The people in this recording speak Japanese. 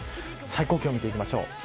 最高気温、見ていきましょう。